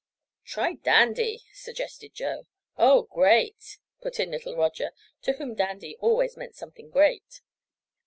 "Try 'dandy,'" suggested Joe. "Oh, great!" put in little Roger, to whom 'dandy' always meant something great.